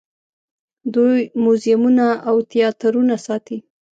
دوی موزیمونه او تیاترونه ساتي.